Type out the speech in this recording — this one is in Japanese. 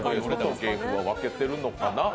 芸風は分けてるのかな。